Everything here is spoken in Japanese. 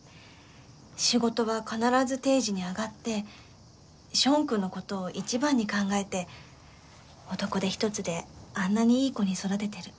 仕事は必ず定時に上がってショーンくんの事を一番に考えて男手ひとつであんなにいい子に育ててる。